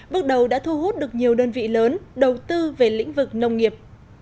bước đầu đã thu hút được nhiều đơn vị lớn đầu tư về lĩnh vực nông nghiệp